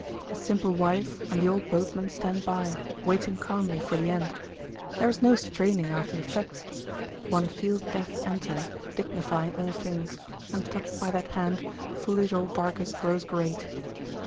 His simple wife and the old boatmen stand by, waiting calmly for the end. There is no straining after effect. One feels death enter, dignifying all things; and touched by that hand, foolish old Barkis grows great.